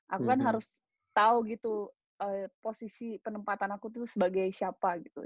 aku kan harus tahu gitu posisi penempatan aku tuh sebagai siapa gitu